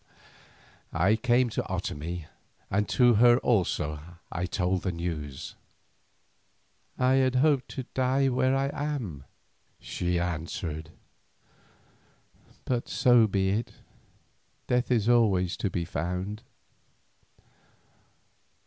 I came to Otomie, and to her also I told the news. "I had hoped to die here where I am," she answered. "But so be it; death is always to be found."